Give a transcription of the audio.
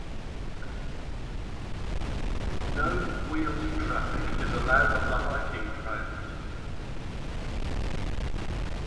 No wheeled traffic is allowed on the hiking trails.